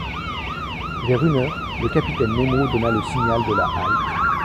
Vers une heure, le capitaine Nemo donna le signal de la halte.